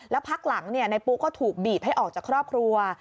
แล้วพักหลังนายปุ๊ก็ถูกบีบให้ออกจากครอบครัว